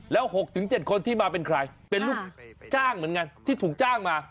แล้ว๖๗คนที่มาเป็นใครเป็นลูกจ้างเหมือนกันที่ถูกจ้างมา